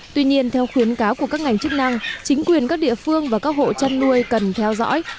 tuy nhiên theo khuyến cáo của các ngành chức năng chính quyền các địa phương và các hộ chăn nuôi cần theo dõi